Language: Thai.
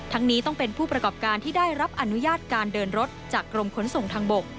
นี้ต้องเป็นผู้ประกอบการที่ได้รับอนุญาตการเดินรถจากกรมขนส่งทางบก